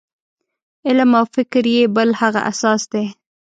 علم او فکر یې بل هغه اساس دی.